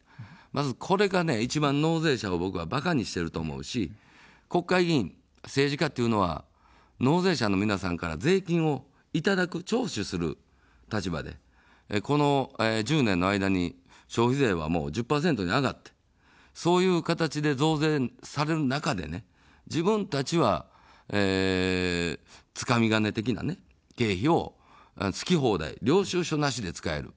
まずこれが一番、納税者を僕はバカにしてると思うし、国会議員、政治家というのは納税者の皆さんから税金をいただく、徴収する立場で、この１０年の間に消費税は１０％に上がって、そういう形で増税される中で、自分たちは、つかみ金的な経費を好き放題、領収書なしで使える。